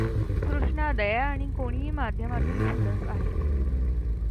कृष्णा दया आणि कोणीही माध्यमातून सुलभ आहे.